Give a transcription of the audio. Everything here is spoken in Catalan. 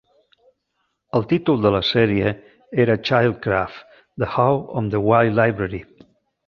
El títol de la sèrie era Childcraft - The How and Why Library.